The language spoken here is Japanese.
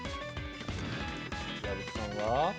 矢吹さんは。